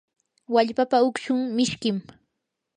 wallpapa ukshun mishkim.